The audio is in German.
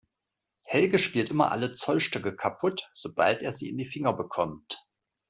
Helge spielt immer alle Zollstöcke kaputt, sobald er sie in die Finger bekommt.